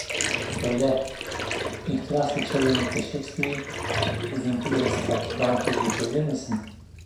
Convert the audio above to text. Söyle, ihtiras ve çılgınlıkta Shakespeare'i, üzüntü ve ıstırapta Dante'yi geçebilir misin?